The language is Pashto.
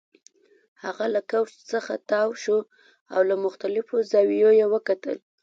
هغه له کوچ څخه تاو شو او له مختلفو زاویو یې وکتل